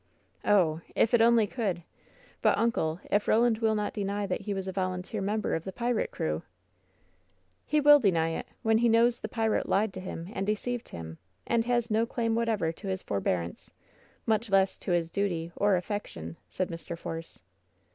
"Oh ! if it only could ! But, uncle, if Koland will not deny that he was a voluntary member of the pirate crew?" 106 WHEN SHADOWS DDE ''He will deny it^ when he knows the pirate lied to him and deceived hun^ and has no claim whatever to his for bearance, mnch less to his dnty or afiFection," said Mr. Force.